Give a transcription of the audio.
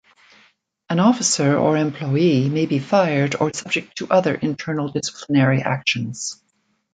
An officer or employee may be fired or subject to other internal disciplinary actions.